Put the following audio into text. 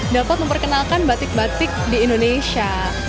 dapat memperkenalkan batik batik di indonesia